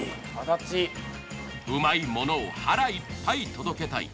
うまいものを腹いっぱい届けたい。